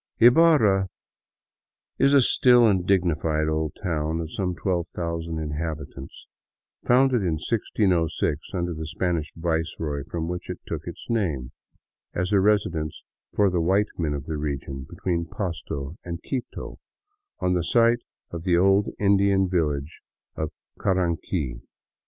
Ibarra is a still and dignified old town of some 12,000 inhabitants, founded in 1606 under the Spanish viceroy from whom it took its name, as a residence for the white men of the region between Pasto and Quito, on the site of the old Indian village of Caranqui.